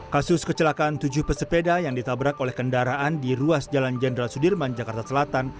kasus kecelakaan tujuh pesepeda yang ditabrak oleh kendaraan di ruas jalan jenderal sudirman jakarta selatan